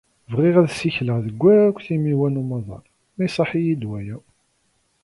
Bɣiɣ ad ssikleɣ deg wakk timiwa n umaḍal, ma iṣaḥ-iyi-d waya.